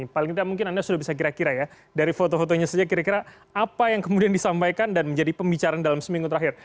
paling tidak mungkin anda sudah bisa kira kira ya dari foto fotonya saja kira kira apa yang kemudian disampaikan dan menjadi pembicaraan dalam seminggu terakhir